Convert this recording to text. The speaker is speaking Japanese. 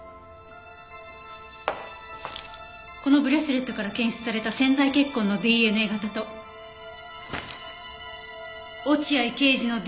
このブレスレットから検出された潜在血痕のＤＮＡ型と落合刑事のＤＮＡ型が一致しました。